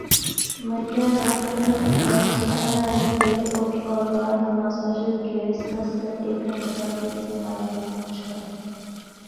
مر کیا نا کر کے مصداق صبح ہ اندھیر اٹھ اور بعد نماز فجر گیرز کس کر ایک گھنٹہ تاخیر سے میدان میں پہنچ گ